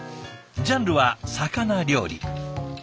ジャンルは「魚料理」。